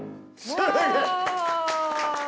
すげえ！